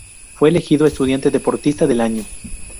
Fue elegido Estudiante-Deportista del Año.